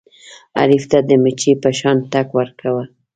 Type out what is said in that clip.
حریف ته د مچۍ په شان ټک ورکوه.